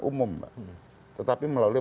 umum pak tetapi melalui